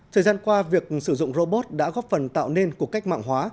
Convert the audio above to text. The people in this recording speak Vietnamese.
thời gian qua việc sử dụng robot đã góp phần tạo nên cuộc cách mạng hóa